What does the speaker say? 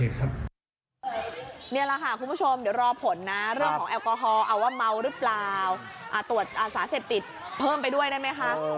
นี่แหละค่ะคุณผู้ชมเดี๋ยวรอผลนะเรื่องของแอลกอฮอลเอาว่าเมาหรือเปล่าตรวจสารเสพติดเพิ่มไปด้วยได้ไหมคะ